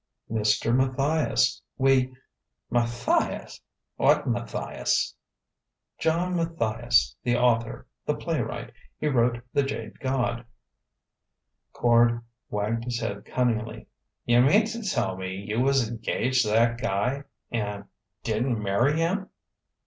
"Mr. Matthias. We " "Matthias? What Matthias?" "John Matthias, the author the playwright. He wrote 'The Jade God.'" Quard wagged his head cunningly. "Y'mean to tell me you was engaged to that guy, and didn't marry him?"